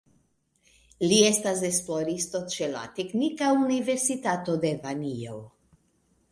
Li estas esploristo ĉe la Teknika Universitato de Danio.